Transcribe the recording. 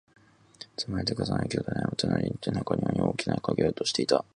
積まれて、重なり、巨大な山となり、中庭に大きな影を落としていた